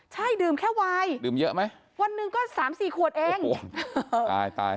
ใช่ดื่มแค่วายดื่มเยอะไหมวันหนึ่งก็สามสี่ขวดเองโอ้โหตายตาย